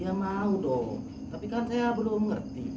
ya mau dong tapi kan saya belum ngerti